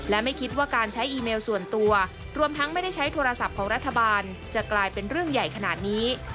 และไม่คิดว่าการใช้อีเมลส่วนตัวรวมทั้งไม่ได้ใช้โทรศัพท์ของรัฐบาลจะกลายเป็นเรื่องใหญ่ขนาดนี้